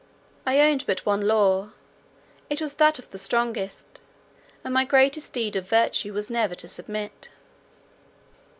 I owned but one law, it was that of the strongest, and my greatest deed of virtue was never to submit.